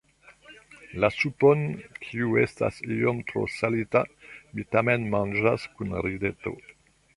La supon, kiu estas iom tro salita, mi tamen manĝas kun rideto.